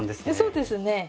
そうですね。